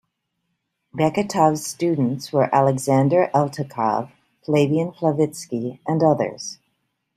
Beketov's students were Alexander Eltekov, Flavian Flavitsky and others.